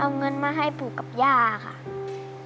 เอาเงินมาให้ปู่กับย่าค่ะ